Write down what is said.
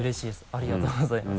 ありがとうございます。